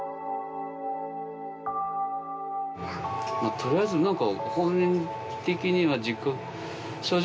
取りあえず何か。